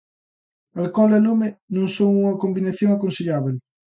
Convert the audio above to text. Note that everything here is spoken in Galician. Alcol e lume non son unha combinación aconsellable.